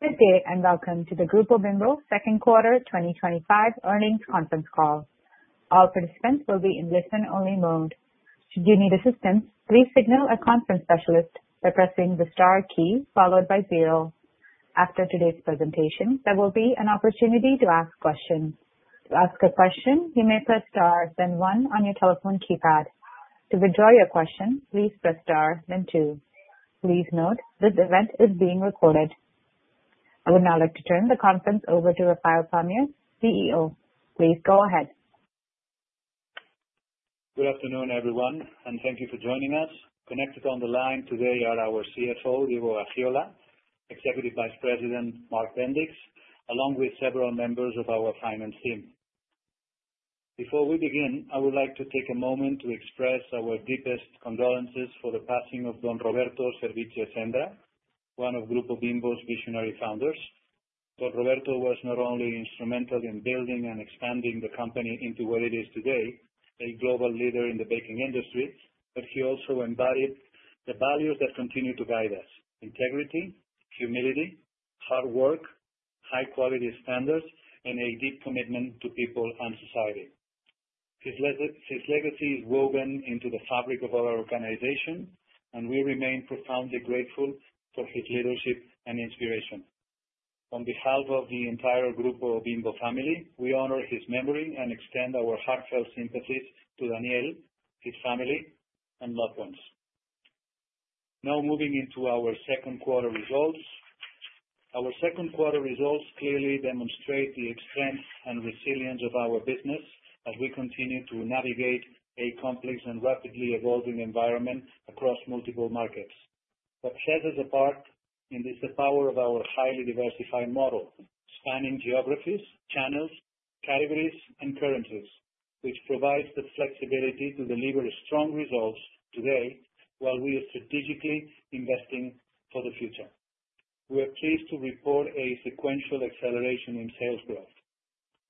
Good day and welcome to the Grupo Bimbo second quarter 2025 earnings conference call. All participants will be in listen-only mode. Should you need assistance, please signal a conference specialist by pressing the star key followed by zero. After today's presentation, there will be an opportunity to ask questions. To ask a question, you may press star, then one on your telephone keypad. To withdraw your question, please press star, then two. Please note this event is being recorded. I would now like to turn the conference over to Rafael Pamias, CEO. Please go ahead. Good afternoon, everyone, and thank you for joining us. Connected on the line today are our CFO, Diego Gaxiola, Executive Vice President, Mark Bendix, along with several members of our finance team. Before we begin, I would like to take a moment to express our deepest condolences for the passing of Don Roberto Servitje Sendra, one of Grupo Bimbo's visionary founders. Don Roberto was not only instrumental in building and expanding the company into what it is today, a global leader in the baking industry, but he also embodied the values that continue to guide us: integrity, humility, hard work, high-quality standards, and a deep commitment to people and society. His legacy is woven into the fabric of our organization, and we remain profoundly grateful for his leadership and inspiration. On behalf of the entire Grupo Bimbo family, we honor his memory and extend our heartfelt sympathies to Daniel, his family, and loved ones. Now moving into our second quarter results. Our second quarter results clearly demonstrate the strength and resilience of our business as we continue to navigate a complex and rapidly evolving environment across multiple markets. What sets us apart is the power of our highly diversified model, spanning geographies, channels, categories, and currencies, which provides the flexibility to deliver strong results today while we are strategically investing for the future. We are pleased to report a sequential acceleration in sales growth.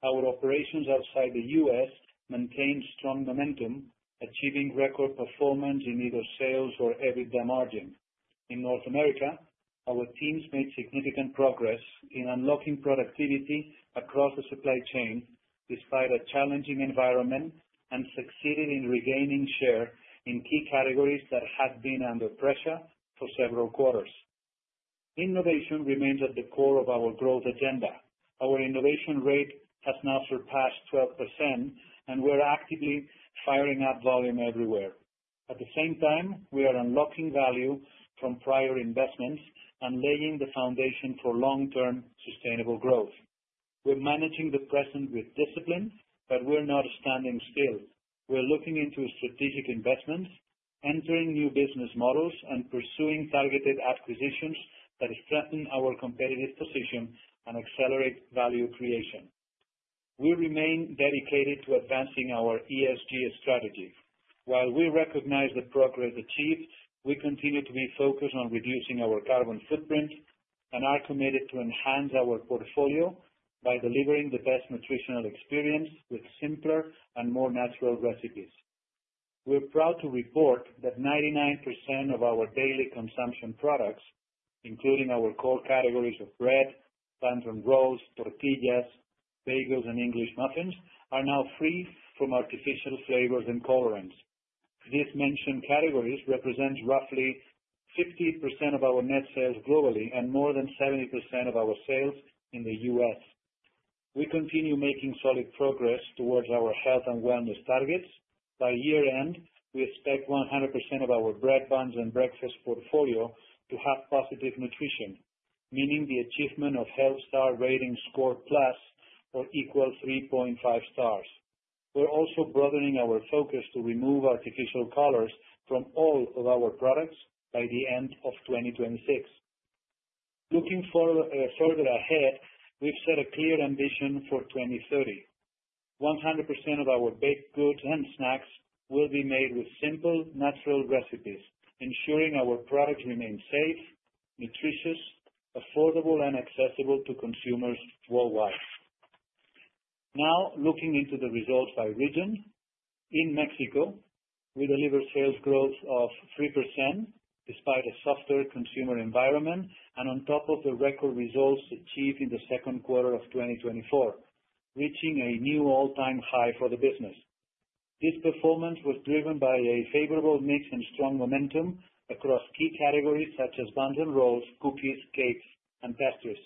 Our operations outside the U.S. maintain strong momentum, achieving record performance in either sales or EBITDA margin. In North America, our teams made significant progress in unlocking productivity across the supply chain despite a challenging environment and succeeded in regaining share in key categories that had been under pressure for several quarters. Innovation remains at the core of our growth agenda. Our innovation rate has now surpassed 12%, and we're actively firing up volume everywhere. At the same time, we are unlocking value from prior investments and laying the foundation for long-term sustainable growth. We're managing the present with discipline, but we're not standing still. We're looking into strategic investments, entering new business models, and pursuing targeted acquisitions that strengthen our competitive position and accelerate value creation. We remain dedicated to advancing our ESG strategy. While we recognize the progress achieved, we continue to be focused on reducing our carbon footprint and are committed to enhance our portfolio by delivering the best nutritional experience with simpler and more natural recipes. We're proud to report that 99% of our daily consumption products, including our core categories of bread, buns, rolls, tortillas, bagels, and English muffins, are now free from artificial flavors and colorants. These mentioned categories represent roughly 50% of our net sales globally and more than 70% of our sales in the U.S. We continue making solid progress towards our health and wellness targets. By year-end, we expect 100% of our bread, buns, and breakfast portfolio to have positive nutrition, meaning the achievement of a health star rating score plus or equal to 3.5 stars. We're also broadening our focus to remove artificial colors from all of our products by the end of 2026. Looking further ahead, we've set a clear ambition for 2030. 100% of our baked goods and snacks will be made with simple, natural recipes, ensuring our products remain safe, nutritious, affordable, and accessible to consumers worldwide. Now looking into the results by region, in Mexico, we deliver sales growth of 3% despite a softer consumer environment and on top of the record results achieved in the second quarter of 2024, reaching a new all-time high for the business. This performance was driven by a favorable mix and strong momentum across key categories such as buns and rolls, cookies, cakes, and pastries.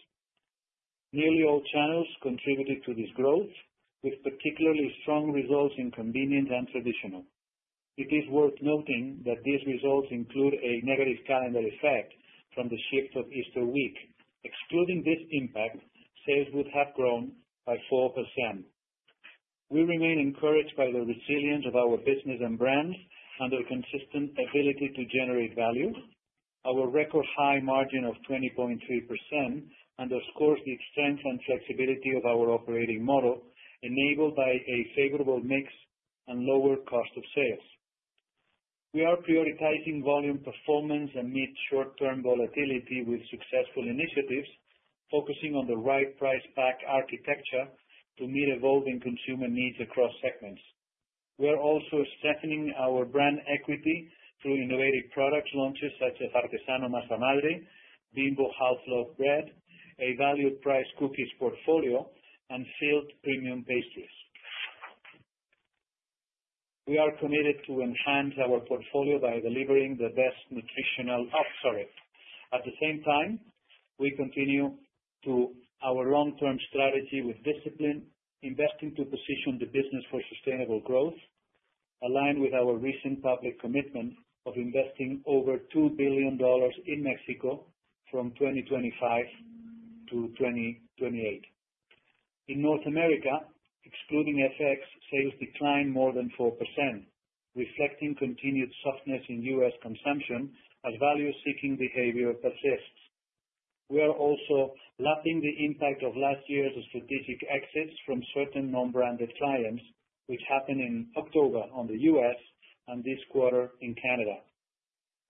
Nearly all channels contributed to this growth, with particularly strong results in convenient and traditional. It is worth noting that these results include a negative calendar effect from the shift of Easter week. Excluding this impact, sales would have grown by 4%. We remain encouraged by the resilience of our business and brands and their consistent ability to generate value. Our record high margin of 20.3% underscores the strength and flexibility of our operating model, enabled by a favorable mix and lower cost of sales. We are prioritizing volume performance amid short-term volatility with successful initiatives focusing on the right price pack architecture to meet evolving consumer needs across segments. We're also strengthening our brand equity through innovative product launches such as Artesano Masa Madre, Bimbo Half-Loaf Bread, a value-priced cookies portfolio, and Field Premium Pastries. We are committed to enhance our portfolio by delivering the best nutritional—sorry. At the same time, we continue our long-term strategy with discipline, investing to position the business for sustainable growth. Aligned with our recent public commitment of investing over $2 billion in Mexico from 2025 to 2028. In North America, excluding FX, sales declined more than 4%, reflecting continued softness in U.S. consumption as value-seeking behavior persists. We are also lapping the impact of last year's strategic exits from certain non-branded clients, which happened in October in the U.S. and this quarter in Canada.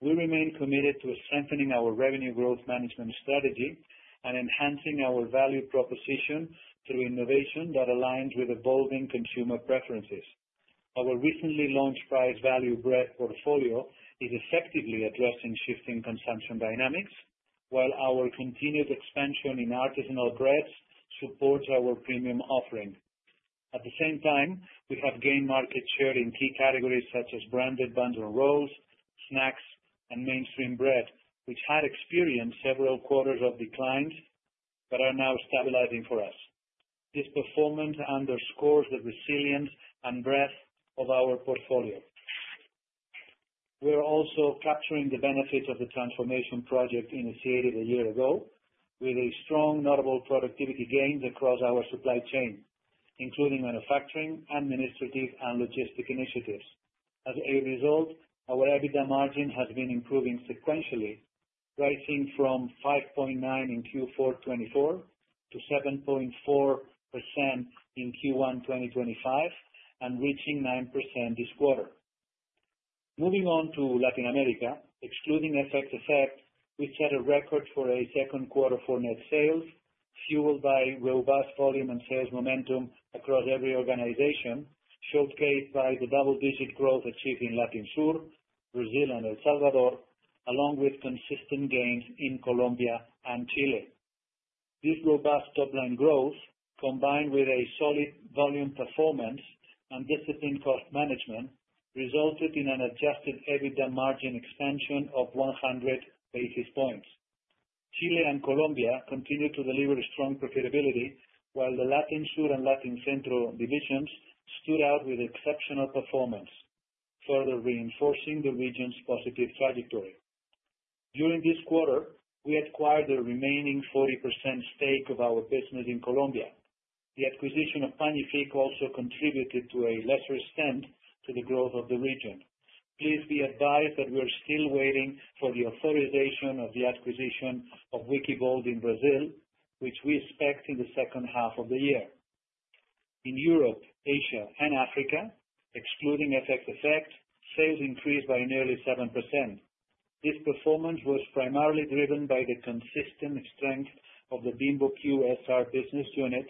We remain committed to strengthening our revenue growth management strategy and enhancing our value proposition through innovation that aligns with evolving consumer preferences. Our recently launched price-value bread portfolio is effectively addressing shifting consumption dynamics, while our continued expansion in artisanal breads supports our premium offering. At the same time, we have gained market share in key categories such as branded buns and rolls, snacks, and mainstream bread, which had experienced several quarters of declines but are now stabilizing for us. This performance underscores the resilience and breadth of our portfolio. We're also capturing the benefits of the transformation project initiated a year ago, with strong, notable productivity gains across our supply chain, including manufacturing, administrative, and logistic initiatives. As a result, our EBITDA margin has been improving sequentially, rising from 5.9% in Q4 2024 to 7.4% in Q1 2025 and reaching 9% this quarter. Moving on to Latin America, excluding FX effect, we set a record for a second quarter for net sales, fueled by robust volume and sales momentum across every organization, showcased by the double-digit growth achieved in Latin Sur, Brazil, and El Salvador, along with consistent gains in Colombia and Chile. This robust top-line growth, combined with solid volume performance and disciplined cost management, resulted in an adjusted EBITDA margin expansion of 100 basis points. Chile and Colombia continued to deliver strong profitability, while the Latin Sur and Latin Centro divisions stood out with exceptional performance, further reinforcing the region's positive trajectory. During this quarter, we acquired the remaining 40% stake of our business in Colombia. The acquisition of Pagnifique also contributed to a lesser extent to the growth of the region. Please be advised that we are still waiting for the authorization of the acquisition of Wickbold in Brazil, which we expect in the second half of the year. In Europe, Asia, and Africa, excluding FX effect, sales increased by nearly 7%. This performance was primarily driven by the consistent strength of the Bimbo QSR business unit,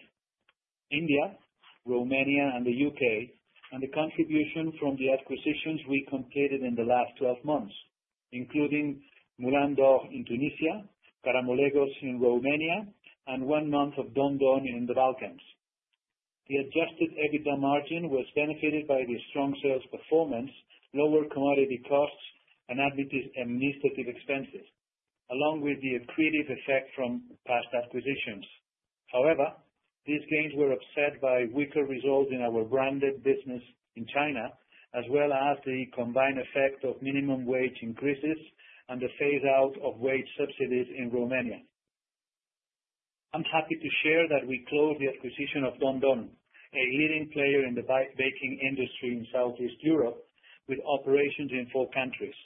India, Romania, and the U.K., and the contribution from the acquisitions we completed in the last 12 months, including Moulin d'Or in Tunisia, Karamolegos in Romania, and one month of Don Don in the Balkans. The adjusted EBITDA margin was benefited by the strong sales performance, lower commodity costs, and administrative expenses, along with the accretive effect from past acquisitions. However, these gains were upset by weaker results in our branded business in China, as well as the combined effect of minimum wage increases and the phase-out of wage subsidies in Romania. I'm happy to share that we closed the acquisition of Don Don, a leading player in the baking industry in Southeast Europe, with operations in four countries: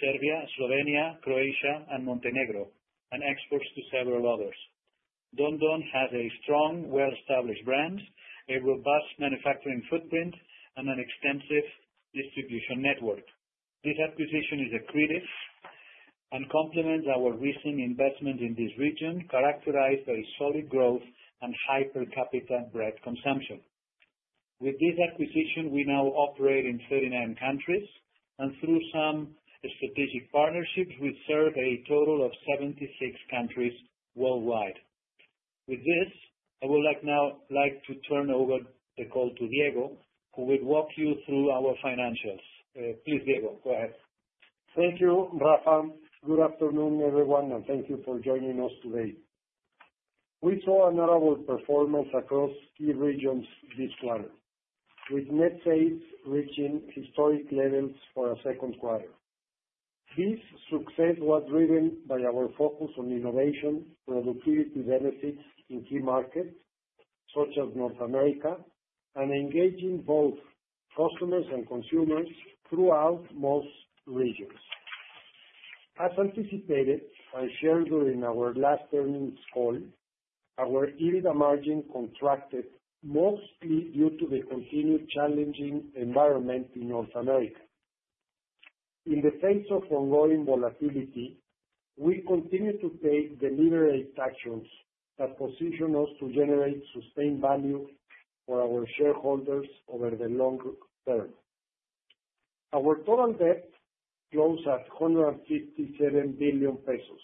Serbia, Slovenia, Croatia, and Montenegro, and exports to several others. Don Don has a strong, well-established brand, a robust manufacturing footprint, and an extensive distribution network. This acquisition is accretive and complements our recent investment in this region, characterized by solid growth and high-per-capita bread consumption. With this acquisition, we now operate in 39 countries, and through some strategic partnerships, we serve a total of 76 countries worldwide. With this, I would now like to turn over the call to Diego, who will walk you through our financials. Please, Diego, go ahead. Thank you, Rafael. Good afternoon, everyone, and thank you for joining us today. We saw a notable performance across key regions this quarter, with net sales reaching historic levels for a second quarter. This success was driven by our focus on innovation, productivity benefits in key markets such as North America, and engaging both customers and consumers throughout most regions. As anticipated, I shared during our last earnings call, our EBITDA margin contracted, mostly due to the continued challenging environment in North America. In the face of ongoing volatility, we continue to take deliberate actions that position us to generate sustained value for our shareholders over the long term. Our total debt closed at 157 billion pesos,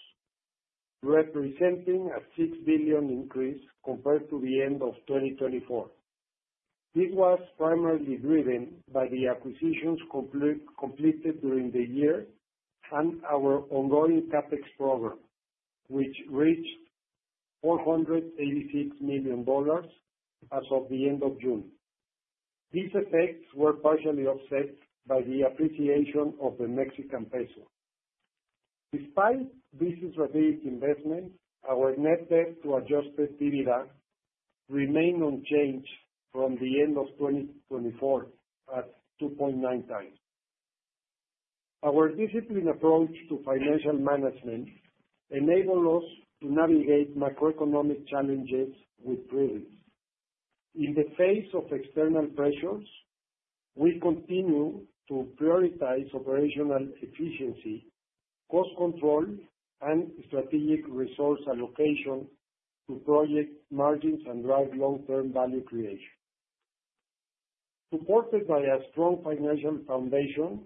representing a 6 billion increase compared to the end of 2024. This was primarily driven by the acquisitions completed during the year and our ongoing CapEx program, which reached $486 million as of the end of June. These effects were partially offset by the appreciation of the Mexican peso. Despite this strategic investment, our net debt to adjusted EBITDA remained unchanged from the end of 2024 at 2.9x. Our disciplined approach to financial management enabled us to navigate macroeconomic challenges with prudence. In the face of external pressures, we continue to prioritize operational efficiency, cost control, and strategic resource allocation to project margins and drive long-term value creation. Supported by a strong financial foundation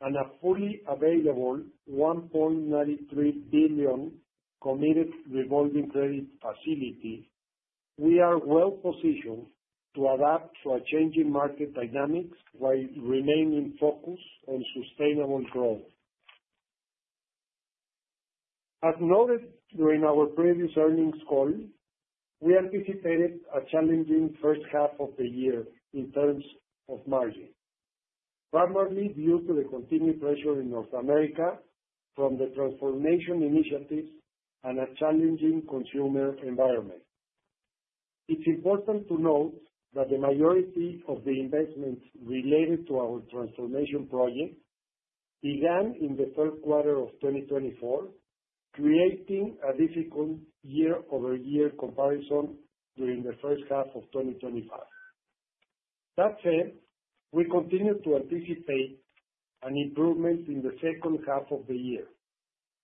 and a fully available 1.93 billion committed revolving credit facility, we are well-positioned to adapt to changing market dynamics while remaining focused on sustainable growth. As noted during our previous earnings call, we anticipated a challenging first half of the year in terms of margin, primarily due to the continued pressure in North America from the transformation initiatives and a challenging consumer environment. It's important to note that the majority of the investments related to our transformation project began in the third quarter of 2024, creating a difficult year-over-year comparison during the first half of 2025. That said, we continue to anticipate an improvement in the second half of the year,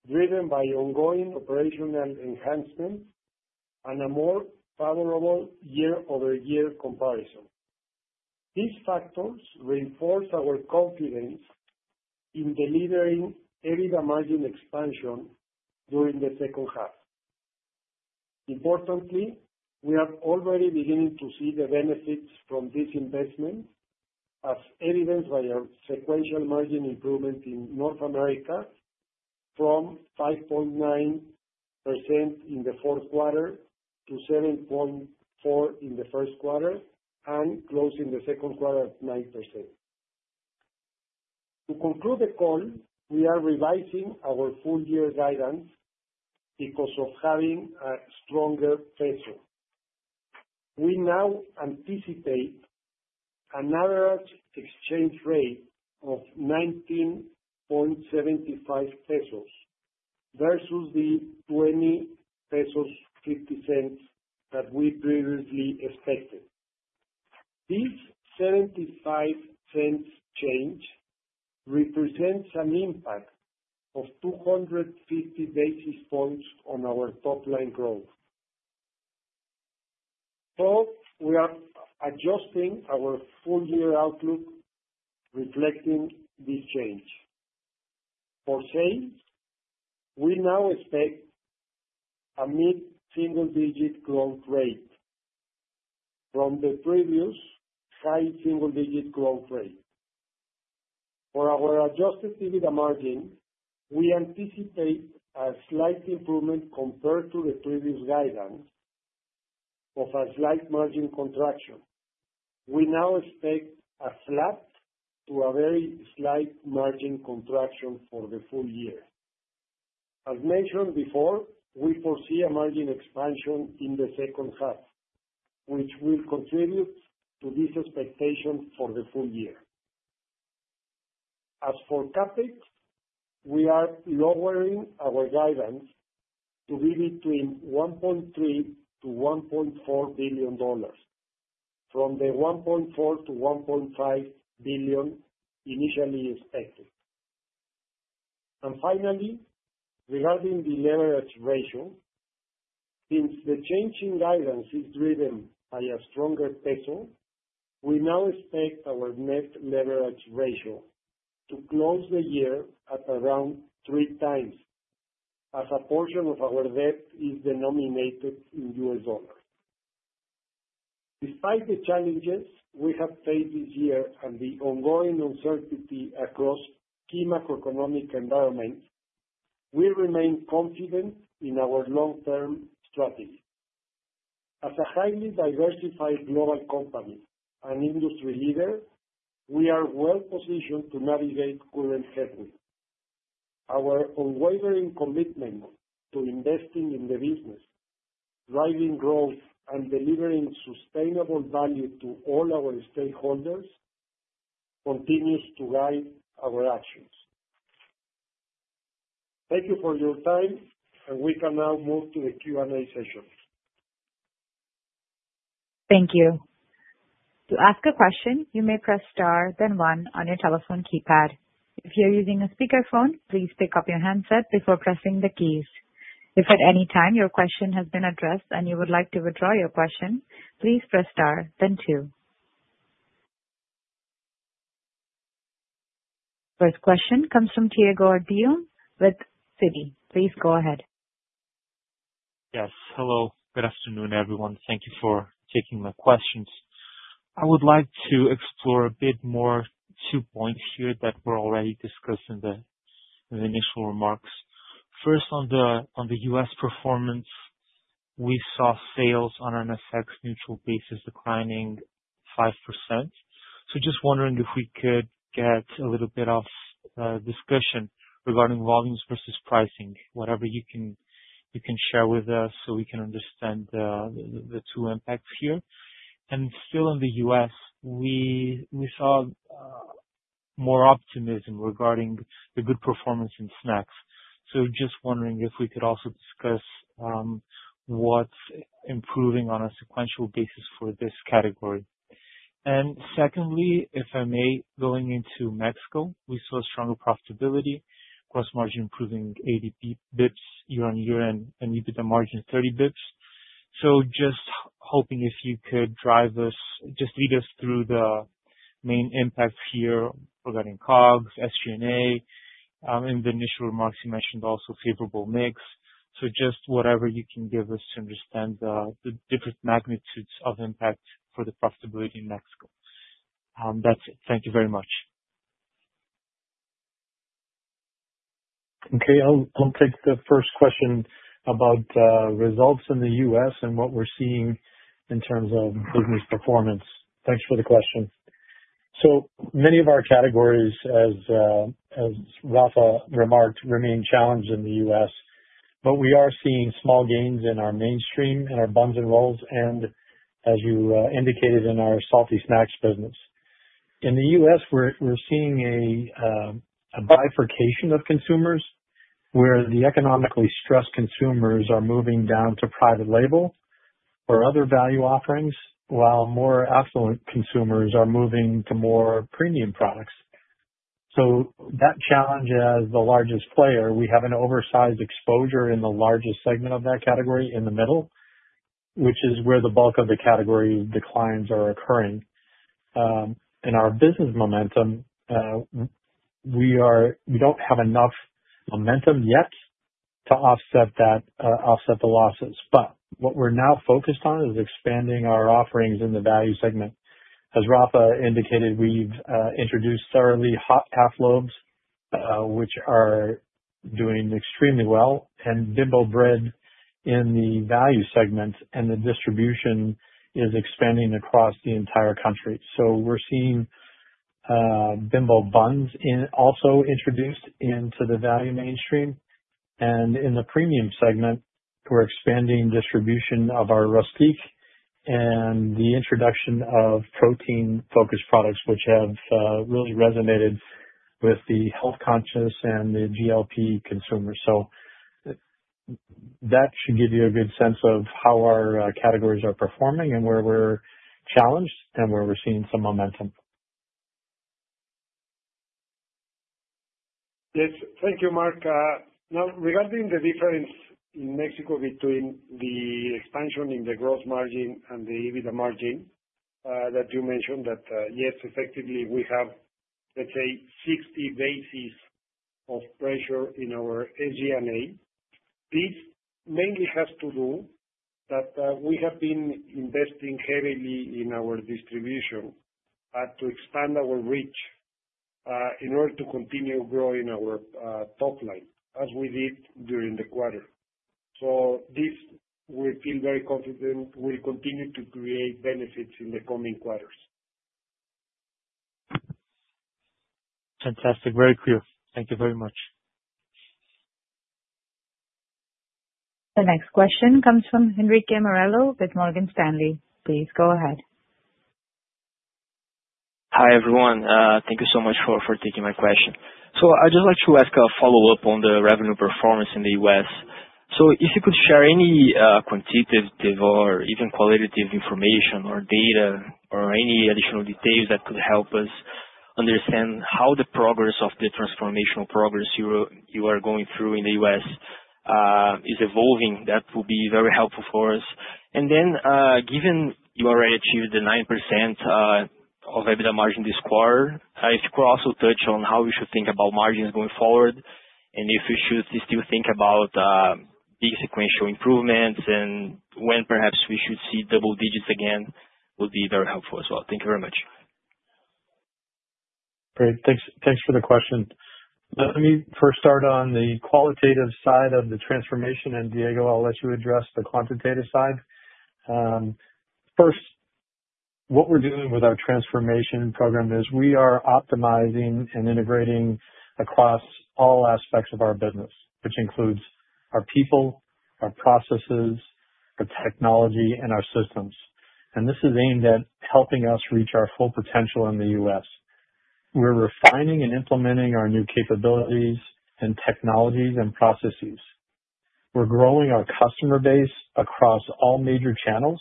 driven by ongoing operational enhancements and a more favorable year-over-year comparison. These factors reinforce our confidence in delivering EBITDA margin expansion during the second half. Importantly, we are already beginning to see the benefits from this investment, as evidenced by our sequential margin improvement in North America from 5.9% in the fourth quarter to 7.4% in the first quarter and closing the second quarter at 9%. To conclude the call, we are revising our full-year guidance because of having a stronger peso. We now anticipate an average exchange rate of 19.75 pesos versus the 20.50 pesos that we previously expected. This 0.75 change represents an impact of 250 basis points on our top-line growth. We are adjusting our full-year outlook reflecting this change. For sales, we now expect a mid-single-digit growth rate from the previous high single-digit growth rate. For our adjusted EBITDA margin, we anticipate a slight improvement compared to the previous guidance. Of a slight margin contraction. We now expect a flat to a very slight margin contraction for the full year. As mentioned before, we foresee a margin expansion in the second half, which will contribute to this expectation for the full year. As for CapEx, we are lowering our guidance to be between $1.3 billion-$1.4 billion, from the $1.4 billion-$1.5 billion initially expected. Finally, regarding the leverage ratio. Since the changing guidance is driven by a stronger peso, we now expect our net leverage ratio to close the year at around 3x, as a portion of our debt is denominated in US dollars. Despite the challenges we have faced this year and the ongoing uncertainty across key macroeconomic environments, we remain confident in our long-term strategy. As a highly diversified global company and industry leader, we are well-positioned to navigate current headwinds. Our unwavering commitment to investing in the business, driving growth, and delivering sustainable value to all our stakeholders continues to guide our actions. Thank you for your time, and we can now move to the Q&A session. Thank you. To ask a question, you may press star, then one, on your telephone keypad. If you're using a speakerphone, please pick up your handset before pressing the keys. If at any time your question has been addressed and you would like to withdraw your question, please press star, then two. First question comes from Tiago with Citi. Please go ahead. Yes. Hello. Good afternoon, everyone. Thank you for taking my questions. I would like to explore a bit more two points here that were already discussed in the initial remarks. First, on the US performance. We saw sales on an FX neutral basis declining 5%. Just wondering if we could get a little bit of discussion regarding volumes versus pricing, whatever you can share with us so we can understand the two impacts here. Still in the U.S., we saw more optimism regarding the good performance in snacks. Just wondering if we could also discuss what's improving on a sequential basis for this category. Secondly, if I may, going into Mexico, we saw stronger profitability, gross margin improving 80 basis points year-on-year, and EBITDA margin 30 bps. Just hoping if you could drive us, just lead us through the main impacts here regarding COGS, SG&A. In the initial remarks, you mentioned also favorable mix. Whatever you can give us to understand the different magnitudes of impact for the profitability in Mexico. That's it. Thank you very much. Okay. I'll take the first question about results in the U.S. and what we're seeing in terms of business performance. Thanks for the question. So many of our categories, as Rafa remarked, remain challenged in the U.S., but we are seeing small gains in our mainstream, in our buns and rolls, and as you indicated, in our salty snacks business. In the U.S., we're seeing a bifurcation of consumers where the economically stressed consumers are moving down to private label or other value offerings, while more affluent consumers are moving to more premium products. That challenge as the largest player, we have an oversized exposure in the largest segment of that category in the middle, which is where the bulk of the category declines are occurring. In our business momentum, we don't have enough momentum yet to offset the losses. What we're now focused on is expanding our offerings in the value segment. As Rafa indicated, we've introduced thoroughly hot half loaves, which are doing extremely well, and Bimbo bread in the value segment, and the distribution is expanding across the entire country. We're seeing Bimbo Buns also introduced into the value mainstream. In the premium segment, we're expanding distribution of our Rustik and the introduction of protein-focused products, which have really resonated with the health conscious and the GLP consumers. That should give you a good sense of how our categories are performing and where we're challenged and where we're seeing some momentum. Yes. Thank you, Mark. Now, regarding the difference in Mexico between the expansion in the gross margin and the EBITDA margin that you mentioned, that yes, effectively we have, let's say, 60 basis points of pressure in our SG&A. This mainly has to do that we have been investing heavily in our distribution. To expand our reach. In order to continue growing our top line as we did during the quarter. This, we feel very confident, will continue to create benefits in the coming quarters. Fantastic. Very clear. Thank you very much. The next question comes from Henrique Morello with Morgan Stanley. Please go ahead. Hi, everyone. Thank you so much for taking my question. I'd just like to ask a follow-up on the revenue performance in the U.S. If you could share any quantitative or even qualitative information or data or any additional details that could help us understand how the progress of the transformational progress you are going through in the U.S. is evolving, that would be very helpful for us. Given you already achieved the 9% of EBITDA margin this quarter, if you could also touch on how we should think about margins going forward, and if we should still think about big sequential improvements and when perhaps we should see double digits again, that would be very helpful as well. Thank you very much. Great. Thanks for the question. Let me first start on the qualitative side of the transformation, and Diego, I'll let you address the quantitative side. First, what we're doing with our transformation program is we are optimizing and integrating across all aspects of our business, which includes our people, our processes, our technology, and our systems. This is aimed at helping us reach our full potential in the U.S. We're refining and implementing our new capabilities and technologies and processes. We're growing our customer base across all major channels.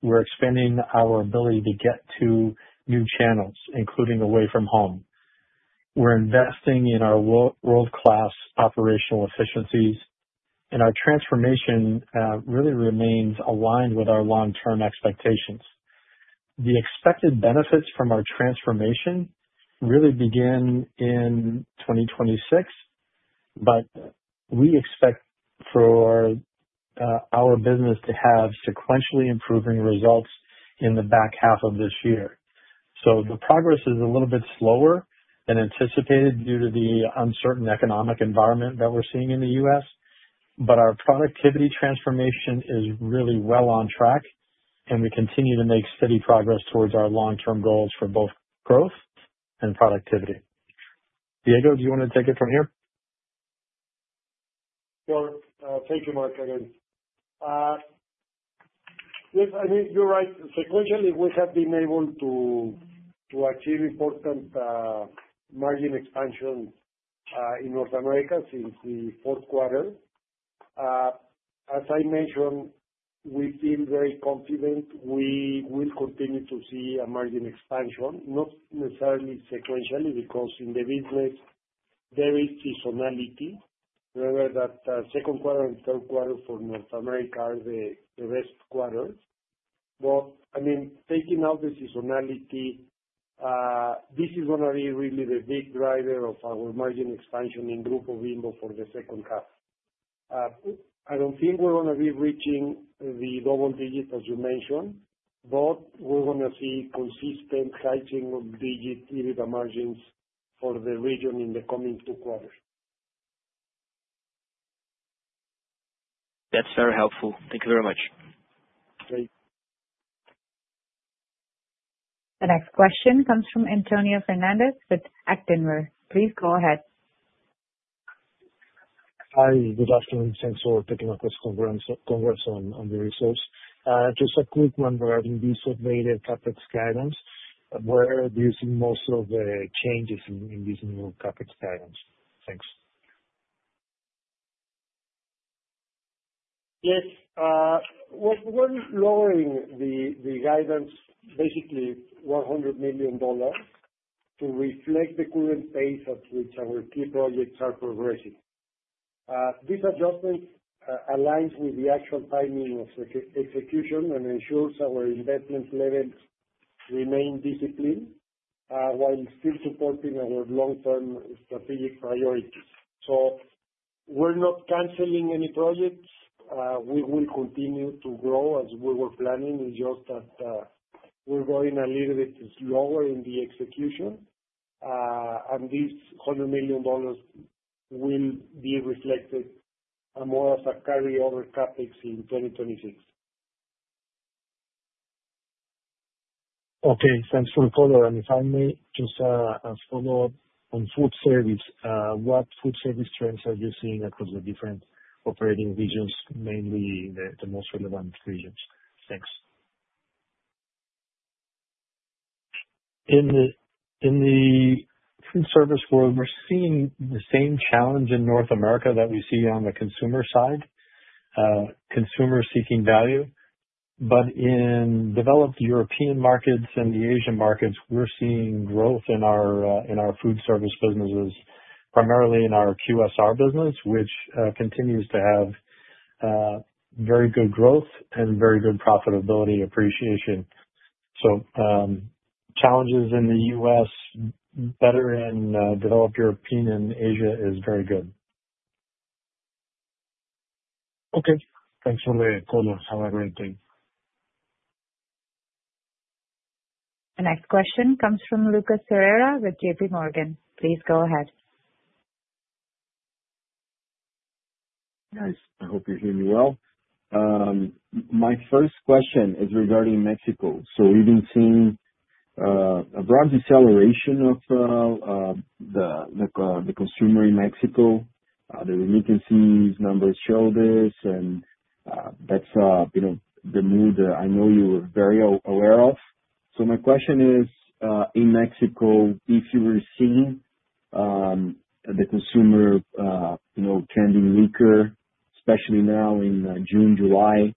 We're expanding our ability to get to new channels, including away from home. We're investing in our world-class operational efficiencies, and our transformation really remains aligned with our long-term expectations. The expected benefits from our transformation really begin in 2026. We expect for our business to have sequentially improving results in the back half of this year. The progress is a little bit slower than anticipated due to the uncertain economic environment that we're seeing in the U.S. Our productivity transformation is really well on track, and we continue to make steady progress towards our long-term goals for both growth and productivity. Diego, do you want to take it from here? Thank you, Mark. Again. Yes, I mean, you're right. Sequentially, we have been able to achieve important margin expansion in North America since the fourth quarter. As I mentioned, we feel very confident we will continue to see a margin expansion, not necessarily sequentially, because in the business there is seasonality, whether that second quarter and third quarter for North America are the best quarters. I mean, taking out the seasonality, this is going to be really the big driver of our margin expansion in Bimbo for the second half. I do not think we're going to be reaching the double digit, as you mentioned, but we're going to see consistent high single-digit EBITDA margins for the region in the coming two quarters. That's very helpful. Thank you very much. Thank you. The next question comes from Antonio Fernandez with Actinver. Please go ahead. Hi, good afternoon. Thanks for taking our question conference on the resource. Just a quick one regarding these updated CapEx guidance. Where do you see most of the changes in these new CapEx guidance? Thanks. Yes. We're lowering the guidance, basically $100 million. To reflect the current pace at which our key projects are progressing. This adjustment aligns with the actual timing of execution and ensures our investment levels remain disciplined. While still supporting our long-term strategic priorities. We're not canceling any projects. We will continue to grow as we were planning, just that we're going a little bit slower in the execution. And this $100 million will be reflected more as a carryover CapEx in 2026. Okay. Thanks for the call. If I may, just a follow-up on food service. What food service trends are you seeing across the different operating regions, mainly the most relevant regions? Thanks. In the food service world, we're seeing the same challenge in North America that we see on the consumer side. Consumers seeking value. In developed European markets and the Asian markets, we're seeing growth in our food service businesses, primarily in our QSR business, which continues to have very good growth and very good profitability appreciation. Challenges in the U.S. Better in developed European, and Asia is very good. Okay. Thanks for the call. Have a great day. The next question comes from Lucas Ferreira with JPMorgan. Please go ahead. Nice. I hope you hear me well. My first question is regarding Mexico. We have been seeing a broad acceleration of the consumer in Mexico. The remittances numbers show this, and that is the mood I know you are very aware of. My question is, in Mexico, if you are seeing the consumer trending weaker, especially now in June, July,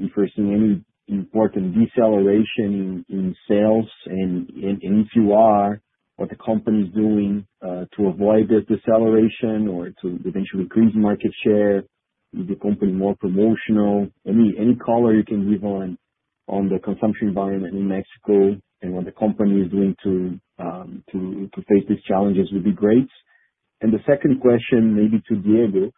if we are seeing any important deceleration in sales, and if you are, what the company is doing to avoid that deceleration or to eventually increase market share, make the company more promotional, any color you can give on the consumption environment in Mexico and what the company is doing to face these challenges would be great. The second question, maybe to Diego,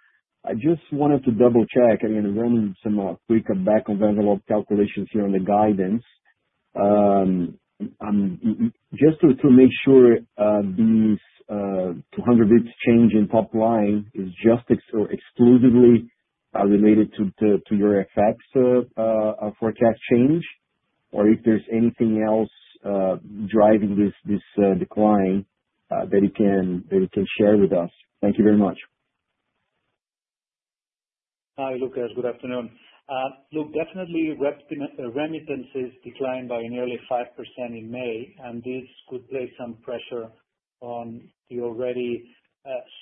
I just wanted to double-check. I mean, I am running some quick back-of-envelope calculations here on the guidance. Just to make sure, these 200 basis points change in top line is just exclusively related to your FX forecast change or if there is anything else driving this decline that you can share with us. Thank you very much. Hi, Lucas. Good afternoon. Look, definitely remittances declined by nearly 5% in May, and this could place some pressure on the already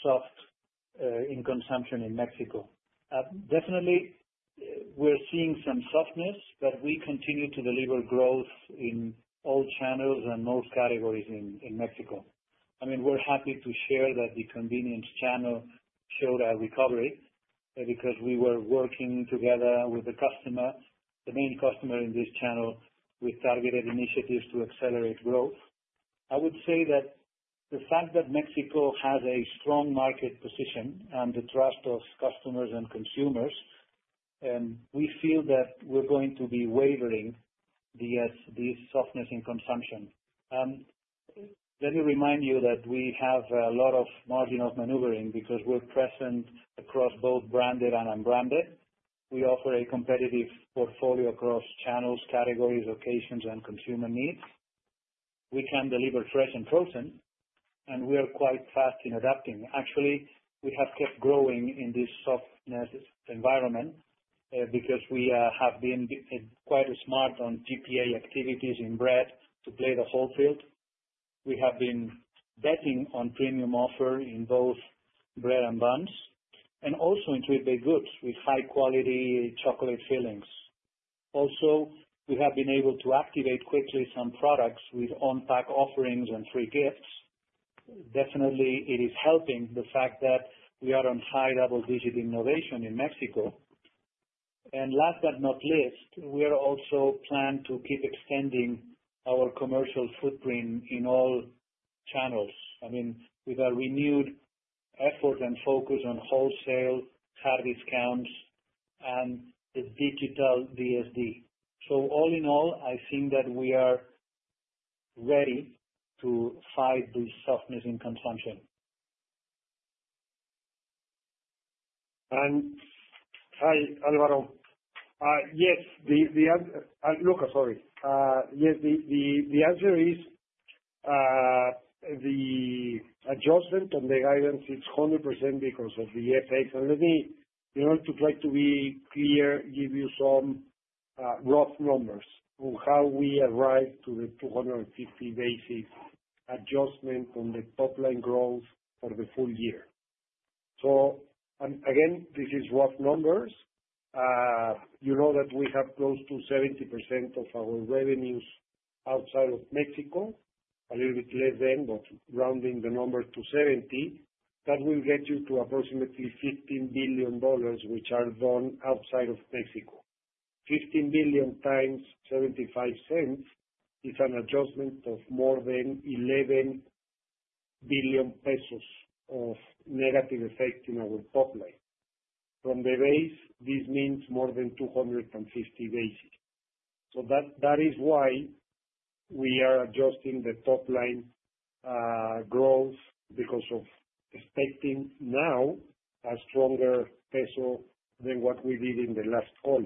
soft consumption in Mexico. Definitely, we're seeing some softness, but we continue to deliver growth in all channels and most categories in Mexico. I mean, we're happy to share that the convenience channel showed a recovery because we were working together with the customer, the main customer in this channel, with targeted initiatives to accelerate growth. I would say that the fact that Mexico has a strong market position and the trust of customers and consumers, we feel that we're going to be wavering against this softness in consumption. Let me remind you that we have a lot of margin of maneuvering because we're present across both branded and unbranded. We offer a competitive portfolio across channels, categories, locations, and consumer needs. We can deliver fresh and frozen, and we are quite fast in adapting. Actually, we have kept growing in this softness environment because we have been quite smart on GPA activities in bread to play the whole field. We have been betting on premium offer in both bread and buns and also in sweet baked goods with high-quality chocolate fillings. Also, we have been able to activate quickly some products with on-pack offerings and free gifts. Definitely, it is helping the fact that we are on high double-digit innovation in Mexico. And last but not least, we are also planned to keep extending our commercial footprint in all channels. I mean, with our renewed effort and focus on wholesale, hard discounts, and the digital DSD. All in all, I think that we are ready to fight this softness in consumption. Hi, Álvaro. Yes. Lucas, sorry. Yes, the answer is the adjustment on the guidance is 100% because of the FX. Let me, in order to try to be clear, give you some rough numbers on how we arrived to the 250 basis points adjustment on the top-line growth for the full year. Again, this is rough numbers. You know that we have close to 70% of our revenues outside of Mexico, a little bit less than, but rounding the number to 70, that will get you to approximately $15 billion, which are done outside of Mexico. $15 billion x 75 cents is an adjustment of more than 11 billion pesos of negative effect in our top line. From the base, this means more than 250 basis points. That is why we are adjusting the top-line growth because of expecting now a stronger peso than what we did in the last call.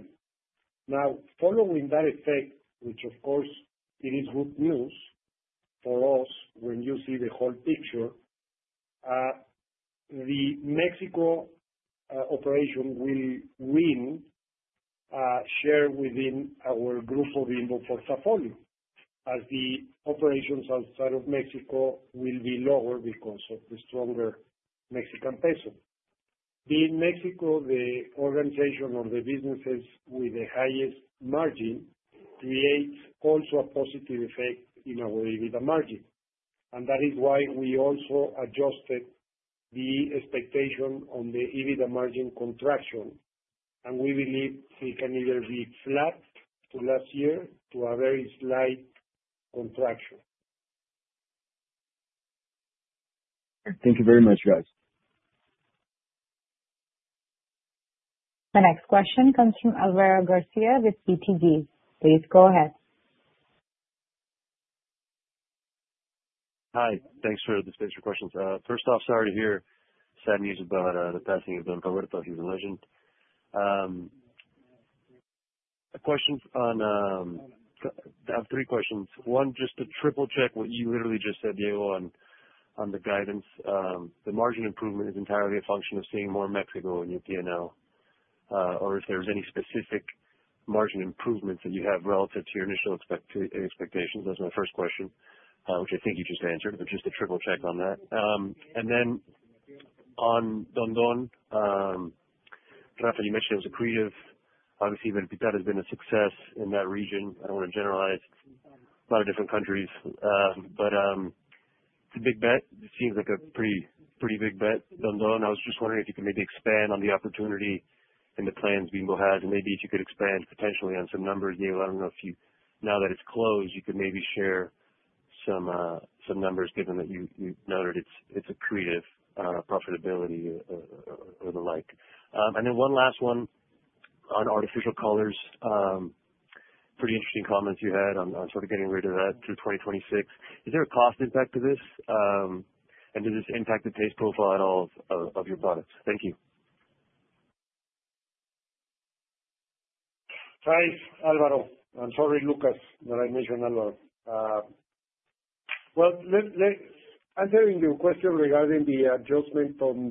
Now, following that effect, which of course it is good news for us when you see the whole picture, the Mexico operation will win share within our Grupo Bimbo for Safoli, as the operations outside of Mexico will be lower because of the stronger Mexican peso. In Mexico, the organization or the businesses with the highest margin creates also a positive effect in our EBITDA margin. That is why we also adjusted the expectation on the EBITDA margin contraction. We believe it can either be flat to last year to a very slight contraction. Thank you very much, guys. The next question comes from Álvaro García with BTG. Please go ahead. Hi. Thanks for the questions. First off, sorry to hear sad news about the passing of Don Roberto, a legend. I have three questions. One, just to triple-check what you literally just said, Diego, on the guidance. The margin improvement is entirely a function of seeing more Mexico in UPNL, or if there's any specific margin improvements that you have relative to your initial expectations. That's my first question, which I think you just answered, but just to triple-check on that. And then, on Don Don. Rafa, you mentioned it was accretive, obviously, that has been a success in that region. I don't want to generalize a lot of different countries, but it's a big bet. It seems like a pretty big bet, Don Don. I was just wondering if you could maybe expand on the opportunity and the plans Bimbo has, and maybe if you could expand potentially on some numbers. Diego, I don't know if you, now that it's closed, you could maybe share some numbers, given that you noted it's accretive profitability or the like. And then one last one. On artificial colors. Pretty interesting comments you had on sort of getting rid of that through 2026. Is there a cost impact to this? And does this impact the taste profile at all of your products? Thank you. Hi, Álvaro. I'm sorry, Lucas, that I mentioned Álvaro. I am telling you a question regarding the adjustment on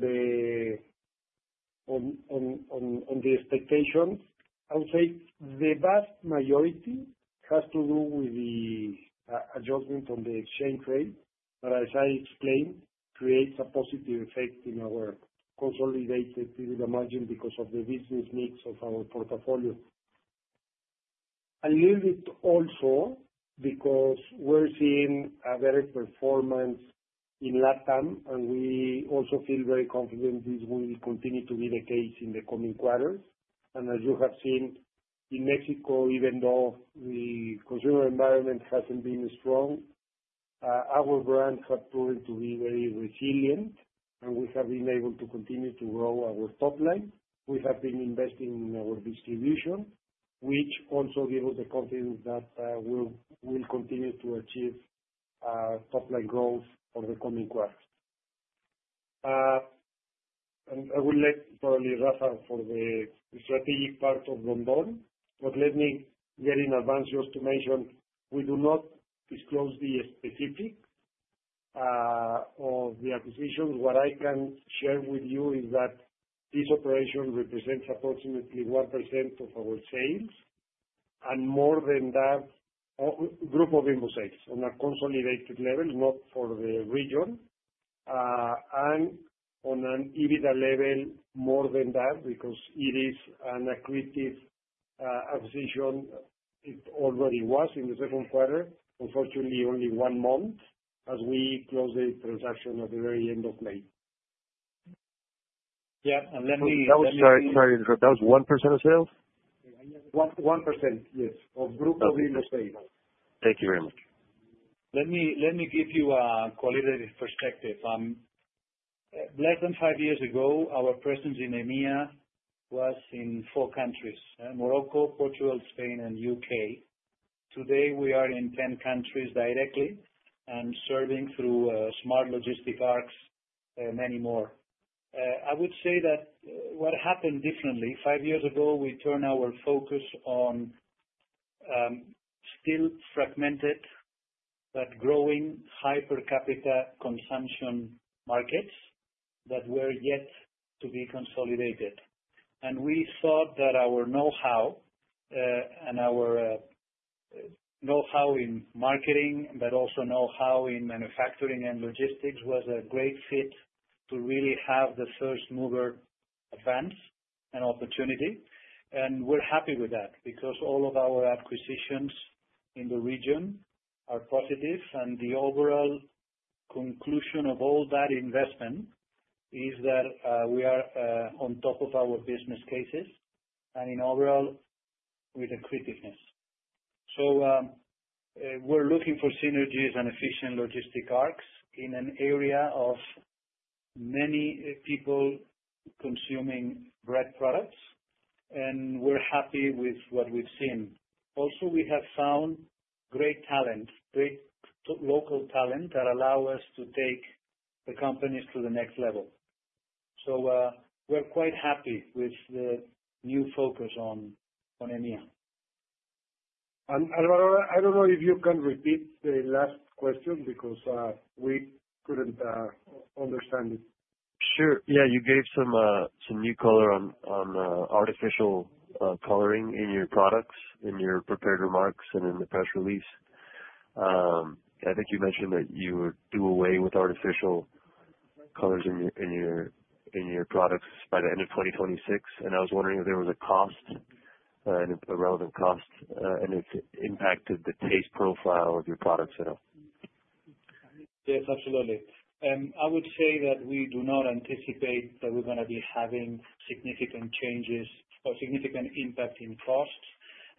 the expectation. I would say the vast majority has to do with the adjustment on the exchange rate, but as I explained, it creates a positive effect in our consolidated EBITDA margin because of the business mix of our portfolio. A little bit also because we are seeing a better performance in Latin America, and we also feel very confident this will continue to be the case in the coming quarters. As you have seen, in Mexico, even though the consumer environment has not been strong, our brand has proven to be very resilient, and we have been able to continue to grow our top line. We have been investing in our distribution, which also gives us the confidence that we will continue to achieve top-line growth for the coming quarter. I will let probably Rafa for the strategic part of Don Don, but let me get in advance just to mention we do not disclose the specifics of the acquisition. What I can share with you is that this operation represents approximately 1% of our sales. More than that, Grupo Bimbo sales, on a consolidated level, not for the region. On an EBITDA level, more than that, because it is an accretive acquisition. It already was in the second quarter. Unfortunately, only one month as we closed the transaction at the very end of May. Yeah. Let me. Sorry, sorry. That was 1% of sales? 1%, yes, of Grupo Bimbo sales. Thank you very much. Let me give you a collateral perspective. Less than five years ago, our presence in EMEA was in four countries: Morocco, Portugal, Spain, and U.K. Today, we are in 10 countries directly and serving through smart logistic arcs, many more. I would say that what happened differently, five years ago, we turned our focus on. Still fragmented. But growing hyper-capita consumption markets that were yet to be consolidated. We thought that our know-how, and our know-how in marketing, but also know-how in manufacturing and logistics, was a great fit to really have the first mover advance and opportunity. We are happy with that because all of our acquisitions in the region are positive, and the overall conclusion of all that investment is that we are on top of our business cases and in overall with accretiveness. We are looking for synergies and efficient logistic arcs in an area of many people consuming bread products, and we are happy with what we have seen. Also, we have found great talent, great local talent that allow us to take the companies to the next level. We are quite happy with the new focus on EMEA. Álvaro, I don't know if you can repeat the last question because we couldn't understand it. Sure. Yeah. You gave some new color on artificial coloring in your products, in your prepared remarks, and in the press release. I think you mentioned that you would do away with artificial colors in your products by the end of 2026, and I was wondering if there was a cost, a relevant cost, and if it impacted the taste profile of your products at all. Yes, absolutely. I would say that we do not anticipate that we're going to be having significant changes or significant impact in cost,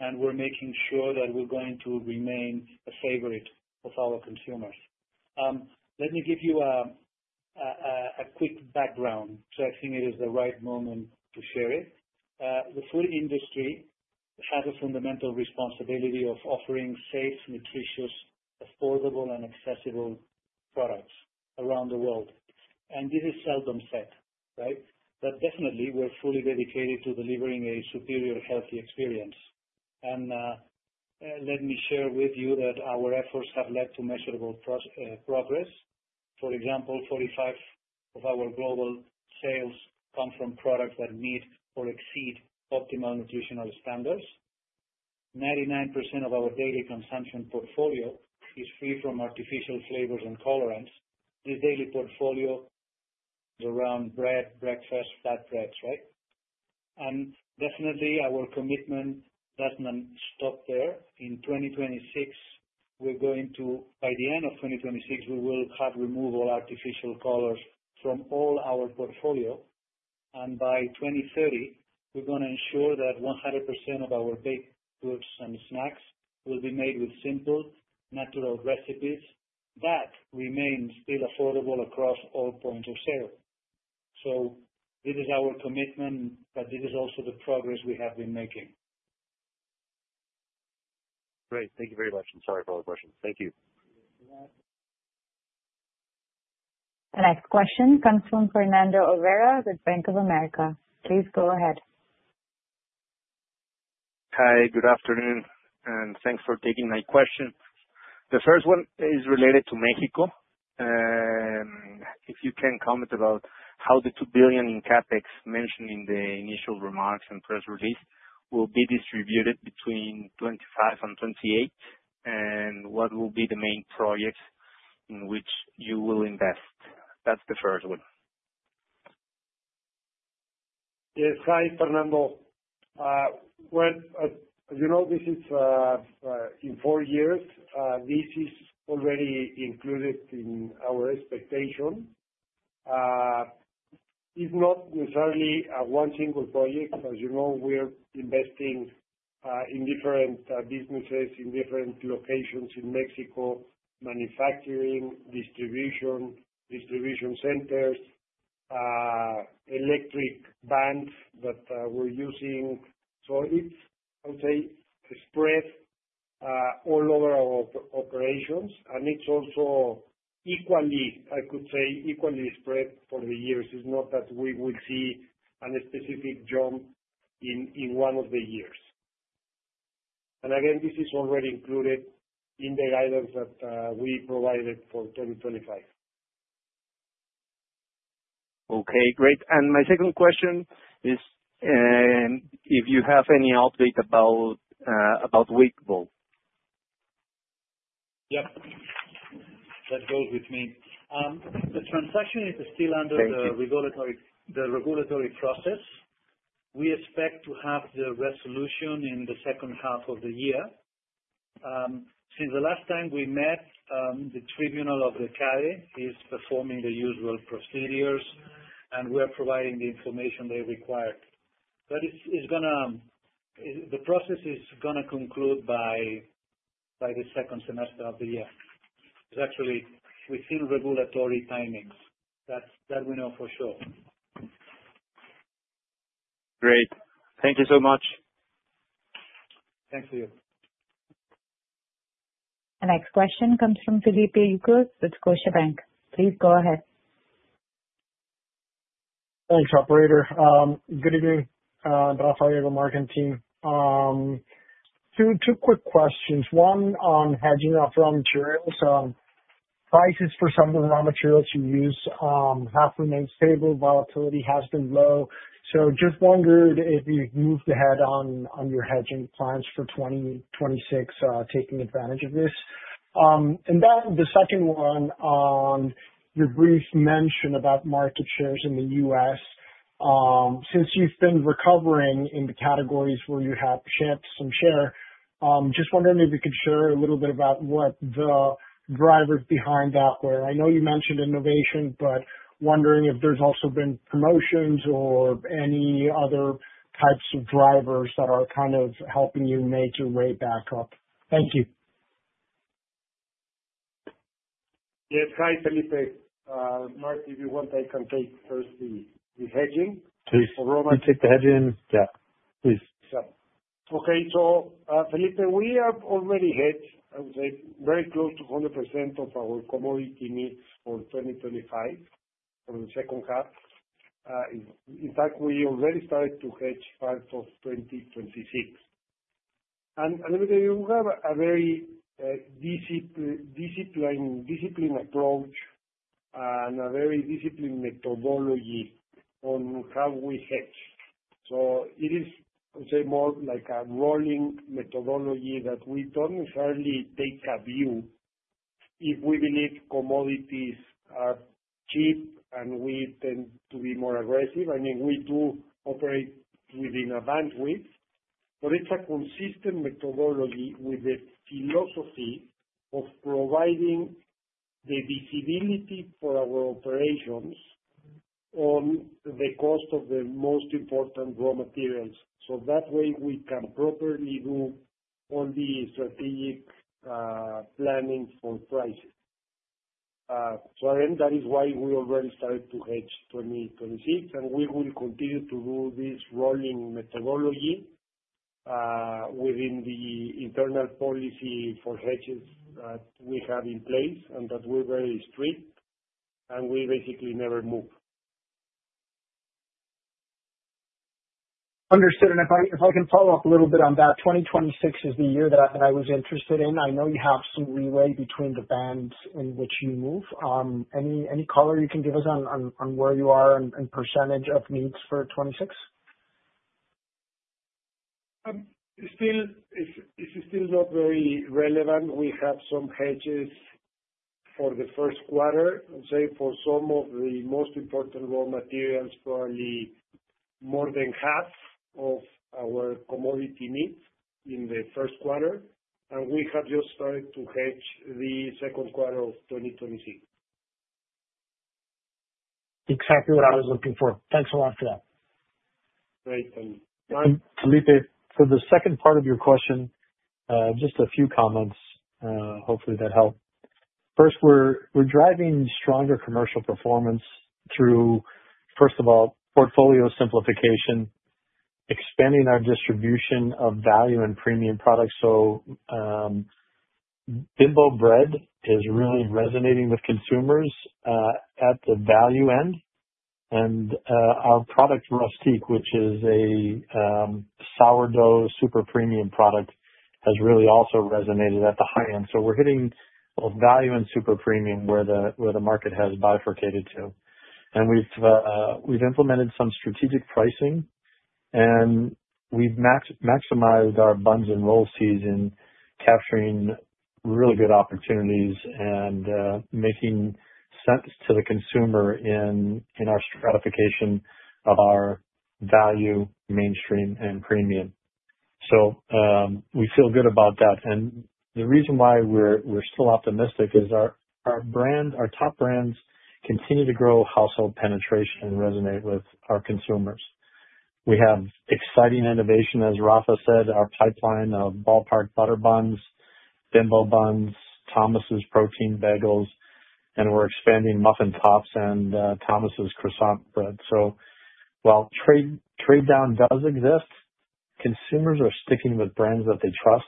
and we're making sure that we're going to remain a favorite of our consumers. Let me give you a quick background, so I think it is the right moment to share it. The food industry has a fundamental responsibility of offering safe, nutritious, affordable, and accessible products around the world. This is seldom said, right? Definitely, we're fully dedicated to delivering a superior healthy experience. Let me share with you that our efforts have led to measurable progress. For example, 45% of our global sales come from products that meet or exceed optimal nutritional standards. 99% of our daily consumption portfolio is free from artificial flavors and colorants. This daily portfolio is around bread, breakfast, flatbreads, right? Definitely, our commitment does not stop there. In 2026, by the end of 2026, we will have removed all artificial colors from all our portfolio. By 2030, we're going to ensure that 100% of our baked goods and snacks will be made with simple, natural recipes that remain still affordable across all points of sale. This is our commitment, but this is also the progress we have been making. Great. Thank you very much. I'm sorry for all the questions. Thank you. The next question comes from Fernando Olvera with Bank of America. Please go ahead. Hi, good afternoon, and thanks for taking my question. The first one is related to Mexico. If you can comment about how the $2 billion in CapEx mentioned in the initial remarks and press release will be distributed between 2025 and 2028, and what will be the main projects in which you will invest. That's the first one. Yes. Hi, Fernando. As you know, this is. In four years, this is already included in our expectation. It's not necessarily one single project. As you know, we're investing. In different businesses, in different locations in Mexico, manufacturing, distribution, distribution centers. Electric vans that we're using. So it's, I would say, spread. All over our operations, and it's also. Equally, I could say, equally spread for the years. It's not that we will see a specific jump in one of the years. Again, this is already included in the guidance that we provided for 2025. Okay. Great. My second question is, if you have any update about Wickbold. Yep. That goes with me. The transaction is still under the. Thank you. Regulatory process. We expect to have the resolution in the second half of the year. Since the last time we met, the tribunal of the CADE is performing the usual procedures, and we're providing the information they require. The process is going to conclude by the second semester of the year. It's actually within regulatory timings. That we know for sure. Great. Thank you so much. Thanks to you. The next question comes from Felipe Ucros with Scotiabank. Please go ahead. Thanks, operator. Good evening. Rafael, you have a marketing team. Two quick questions. One on hedging of raw materials. Prices for some of the raw materials you use have remained stable. Volatility has been low. Just wondered if you've moved ahead on your hedging plans for 2026, taking advantage of this. The second one on your brief mention about market shares in the U.S. Since you've been recovering in the categories where you have some share, just wondering if you could share a little bit about what the drivers behind that were. I know you mentioned innovation, but wondering if there's also been promotions or any other types of drivers that are kind of helping you make your way back up. Thank you. Yes. Hi, Felipe. Mark, if you want, I can take first the hedging. Please, you take the hedging. Yeah please. Okay. Felipe, we have already hedged, I would say, very close to 100% of our commodity needs for 2025, for the second half. In fact, we already started to hedge part of 2026. Let me tell you, we have a very disciplined approach and a very disciplined methodology on how we hedge. It is, I would say, more like a rolling methodology that we do not necessarily take a view. If we believe commodities are cheap and we tend to be more aggressive, I mean, we do operate within a bandwidth. It is a consistent methodology with the philosophy of providing the visibility for our operations on the cost of the most important raw materials. That way, we can properly do all the strategic planning for prices. Again, that is why we already started to hedge 2026, and we will continue to do this rolling methodology within the internal policy for hedges that we have in place and that we are very strict, and we basically never move. Understood. If I can follow up a little bit on that, 2026 is the year that I was interested in. I know you have some leeway between the bands in which you move. Any color you can give us on where you are and percentage of needs for 2026? It's still not very relevant. We have some hedges for the first quarter. I would say for some of the most important raw materials, probably more than half of our commodity needs in the first quarter. We have just started to hedge the second quarter of 2026. Exactly what I was looking for. Thanks a lot for that. Great. Thank you. Felipe, for the second part of your question, just a few comments. Hopefully, that helped. First, we're driving stronger commercial performance through, first of all, portfolio simplification, expanding our distribution of value and premium products. Bimbo bread is really resonating with consumers at the value end, and our product, Rustik, which is a sourdough super premium product, has really also resonated at the high end. We are hitting both value and super premium where the market has bifurcated to. We have implemented some strategic pricing, and we've maximized our buns and roll season, capturing really good opportunities and making sense to the consumer in our stratification of our value, mainstream, and premium. We feel good about that. The reason why we're still optimistic is our top brands continue to grow household penetration and resonate with our consumers. We have exciting innovation, as Rafa said, our pipeline of Ballpark Butter Buns, Bimbo Buns, Thomas’s Protein Bagels, and we're expanding Muffin Tops and Thomas’s Croissant Bread. While trade-down does exist, consumers are sticking with brands that they trust,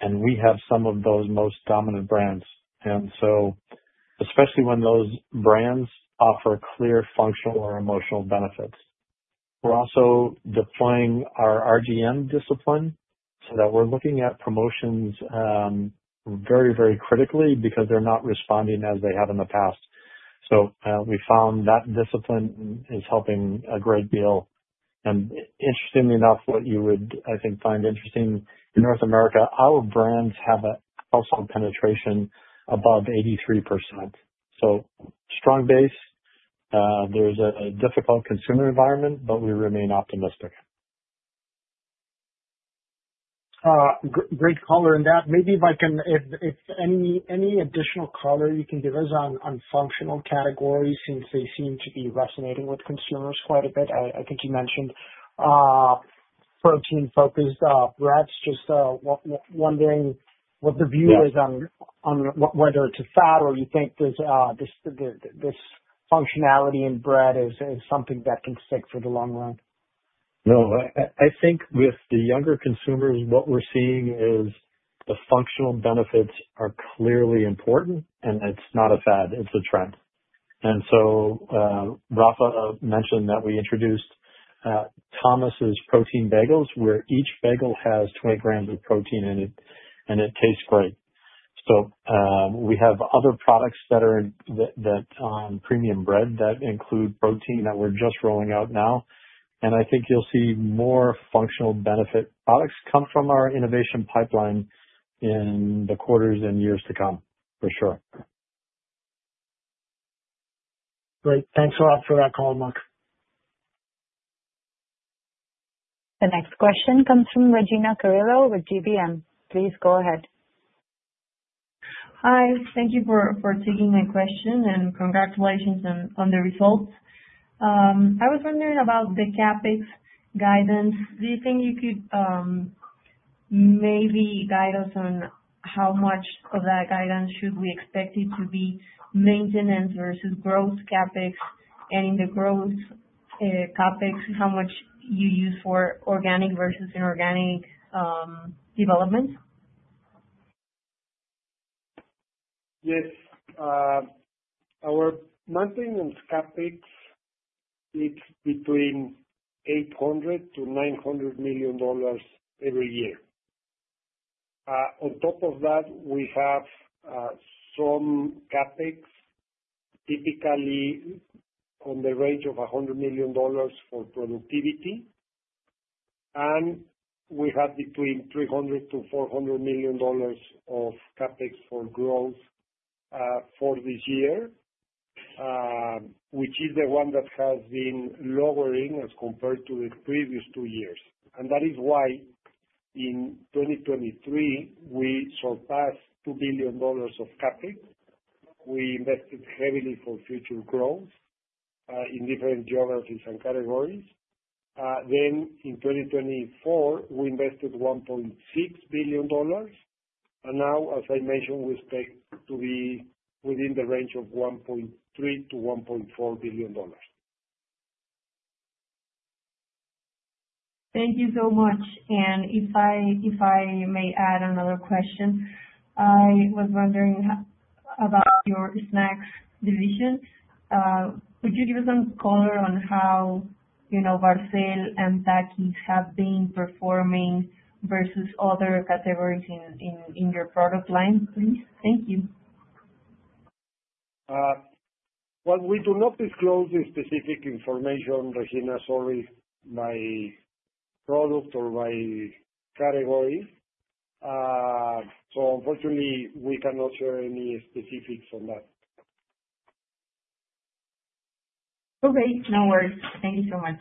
and we have some of those most dominant brands, especially when those brands offer clear functional or emotional benefits. We're also deploying our RGM discipline so that we're looking at promotions very, very critically because they're not responding as they have in the past. We found that discipline is helping a great deal. Interestingly enough, what you would, I think, find interesting in North America, our brands have a household penetration above 83%. Strong base. There's a difficult consumer environment, but we remain optimistic. Great color in that. Maybe if any additional color you can give us on functional categories since they seem to be resonating with consumers quite a bit. I think you mentioned protein-focused breads. Just wondering what the view is on whether it's a fad or you think this functionality in bread is something that can stick for the long run. No. I think with the younger consumers, what we're seeing is the functional benefits are clearly important, and it's not a fad. It's a trend. Rafa mentioned that we introduced Thomas’s Protein Bagels where each bagel has 20 grams of protein in it, and it tastes great. We have other products that are on premium bread that include protein that we're just rolling out now. I think you'll see more functional benefit products come from our innovation pipeline in the quarters and years to come, for sure. Great. Thanks a lot for that call, Mark. The next question comes from Regina Carrillo with GBM. Please go ahead. Hi. Thank you for taking my question, and congratulations on the results. I was wondering about the CapEx guidance. Do you think you could maybe guide us on how much of that guidance should we expect it to be maintenance versus growth CapEx? In the growth CapEx, how much you use for organic versus inorganic developments? Yes. Our maintenance CapEx is between $800 million-$900 million every year. On top of that, we have some CapEx, typically in the range of $100 million for productivity. And we have between $300 million-$400 million of CapEx for growth for this year, which is the one that has been lowering as compared to the previous two years. That is why in 2023, we surpassed $2 billion of CapEx. We invested heavily for future growth in different geographies and categories. In 2024, we invested $1.6 billion. Now, as I mentioned, we expect to be within the range of $1.3 billion-$1.4 billion. Thank you so much. If I may add another question. I was wondering about your snacks division. Could you give us some color on how Barcel and Takis have been performing versus other categories in your product line, please? Thank you. We do not disclose the specific information, Regina, sorry, by product or by category. So unfortunately, we cannot share any specifics on that. Okay. No worries. Thank you so much.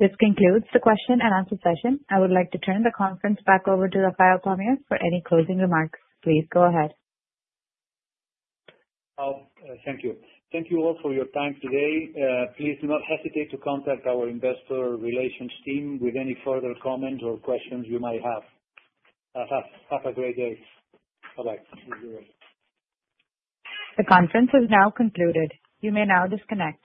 This concludes the question and answer session. I would like to turn the conference back over to Rafael Pamias for any closing remarks. Please go ahead. Thank you. Thank you all for your time today. Please do not hesitate to contact our investor relations team with any further comments or questions you might have. Have a great day. Bye-bye. The conference is now concluded. You may now disconnect.